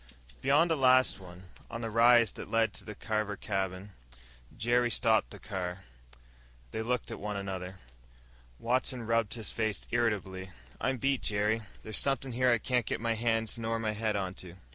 Beyond the last one, on the rise that led to the Carver cabin, Jerry stopped the car. They looked at one another. Watson rubbed his face irritably. "I'm beat, Jerry. There's somethin' here I can't get my hands nor my head onto."